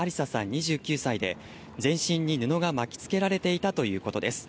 ２９歳で、全身に布が巻きつけられていたということです。